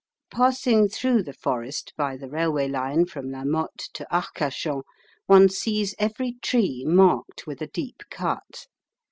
Passing through the forest by the railway line from La Mothe to Arcachon, one sees every tree marked with a deep cut.